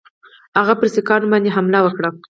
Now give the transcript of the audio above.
هغه پر سیکهانو باندي حمله وکړي.